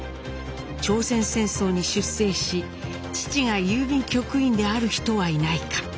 朝鮮戦争に出征し父が郵便局員である人はいないか。